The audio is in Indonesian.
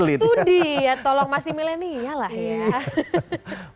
itu dia tolong masih milenial lah ya